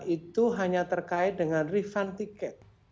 itu hanya terkait dengan refund tiket